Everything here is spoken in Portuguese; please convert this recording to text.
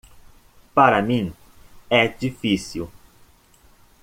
Para mim é difícil.